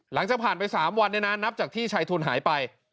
หลังจากผ่านไป๓วันนับจากที่ชายทุนหายไป